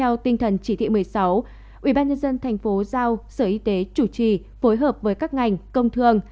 lần chỉ thị một mươi sáu ubnd thành phố giao sở y tế chủ trì phối hợp với các ngành công thương